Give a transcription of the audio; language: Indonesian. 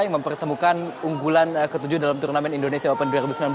yang mempertemukan unggulan ketujuh dalam turnamen indonesia open dua ribu sembilan belas